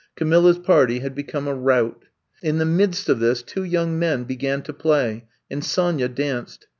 Camilla 's party had become a rout. In the midst of this two young men be gan to play and Sonya danced.